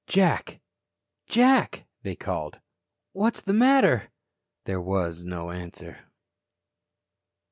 "Jack. Jack," they called. "What's the matter?" There was no answer.